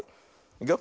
いくよ。